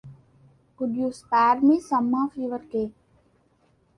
Could you spare me some of your cake?